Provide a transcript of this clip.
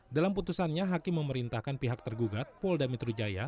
dalam putusannya hakim memerintahkan pihak tergugat polda metro jaya